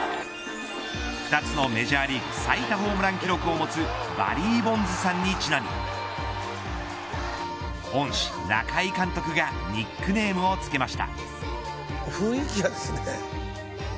２つのメジャーリーグ最多ホームラン記録を持つバリー・ボンズさんちなみ恩師、中井監督がニックネームをつけました。